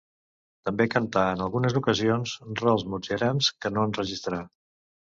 També cantà en algunes ocasions rols mozartians que no enregistrà.